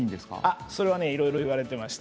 あっそれはねいろいろ言われてまして。